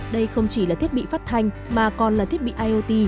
đây không chỉ là thiết bị phát thanh mà còn là thiết bị iot